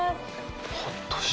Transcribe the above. ほっとした。